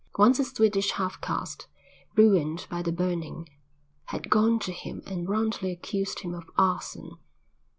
Once a Swedish half caste, ruined by the burning, had gone to him and roundly accused him of arson.